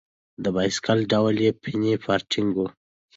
د بایسکل ډول یې پیني فارټېنګ و.